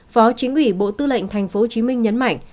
phó chính ủy bộ tư lệnh tp hcm nhấn mạnh